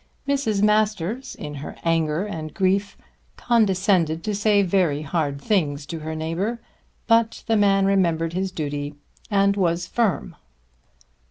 Mrs. Masters, in her anger and grief, condescended to say very hard things to her neighbour; but the man remembered his duty and was firm.